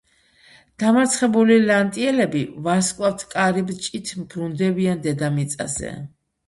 დამარცხებული ლანტიელები ვარსკვლავთკარიბჭით ბრუნდებიან დედამიწაზე.